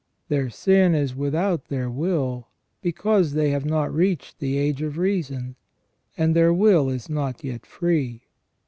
Their sin is without their will, because they have not reached the age of reason, and their will is not yet free.